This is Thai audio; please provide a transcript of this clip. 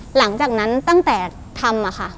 หลังจากนั้นตั้งแต่ทำค่ะ